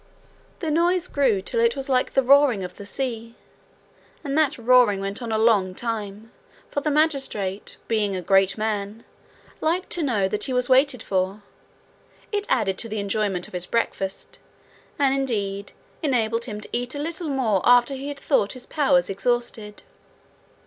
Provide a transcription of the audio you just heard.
The noise grew till it was like the roaring of the sea, and that roaring went on a long time, for the magistrate, being a great man, liked to know that he was waited for: it added to the enjoyment of his breakfast, and, indeed, enabled him to eat a little more after he had thought his powers exhausted.